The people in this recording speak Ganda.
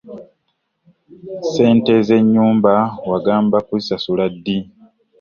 Ssente z'ennyumba wagamba kuzisasula ddi?